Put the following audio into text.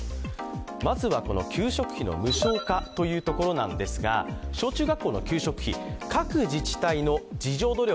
まずは給食費の無償化というところなんですが小中学校の給食費、各自治体の自助努力